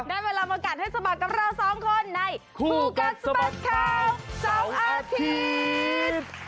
ได้เวลามากัดให้สะบัดกับเราสองคนในคู่กัดสะบัดข่าวเสาร์อาทิตย์